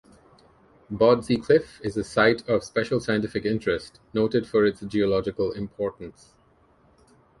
Bawdsey Cliff is a Site of Special Scientific Interest notified for its geological importance.